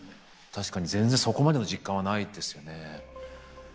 確かに全然そこまでの実感はないですよね。